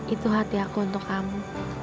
itu hati aku untuk kamu